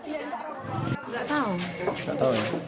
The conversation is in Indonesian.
nggak tahu ini tertutup soalnya jarang ada yang mengaku